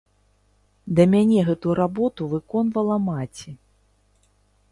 Да мяне гэту работу выконвала маці.